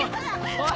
おい！